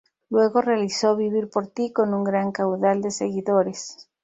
Luego realizó "Vivir por ti" con un gran caudal de seguidores.